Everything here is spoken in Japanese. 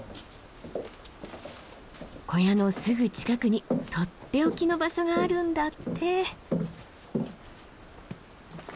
小屋のすぐ近くにとっておきの場所があるんだって。